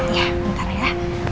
iya bentar ya